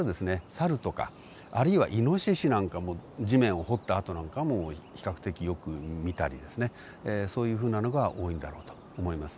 サルとかあるいはイノシシなんかも地面を掘った跡なんかも比較的よく見たりですねそういうふうなのが多いんだろうと思います。